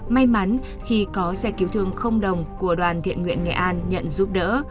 may mắn khi có xe cứu thương đồng của đoàn thiện nguyện nghệ an nhận giúp đỡ